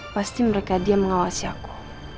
pasti mereka dia mengawasi aku